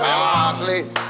wah lewat asli